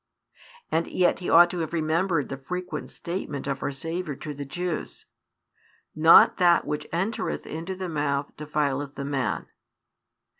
And yet he ought to have remembered the frequent statement of our Saviour to the Jews: Not that which entereth into the mouth defileth the man.